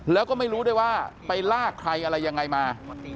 แล้วก็ไม่รู้ด้วยว่าไปลากใครอะไรยังไงมา